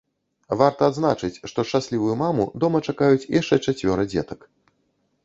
Варта адзначыць, што шчаслівую маму дома чакаюць яшчэ чацвёра дзетак.